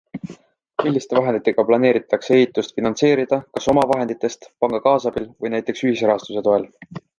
Milliste vahenditega planeeritakse ehitust finantseerida, kas omavahenditest, panga kaasabil või näiteks ühisrahastuse toel?